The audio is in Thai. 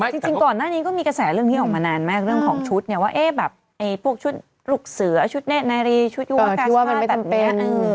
จริงก่อนหน้านี้ก็มีกระแสเรื่องนี้ออกมานานมากเรื่องของชุดเนี่ยว่าแบบพวกชุดลูกเสือชุดนารีชุดยุวกาชาติแบบนี้